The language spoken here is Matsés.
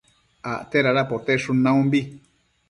acte dada poteshun naumbi